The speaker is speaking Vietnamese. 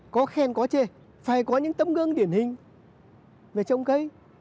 có khen có chê phải có những tấm gương điển hình về trồng cây